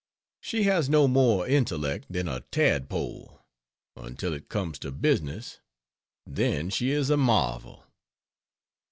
She has no more intellect than a tadpole until it comes to business then she is a marvel!